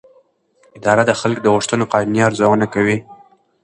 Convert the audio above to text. اداره د خلکو د غوښتنو قانوني ارزونه کوي.